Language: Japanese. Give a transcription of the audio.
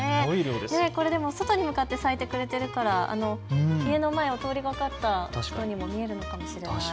外に向かって咲いてくれてるから家の前を通りかかった人にも見えるのかもしれない。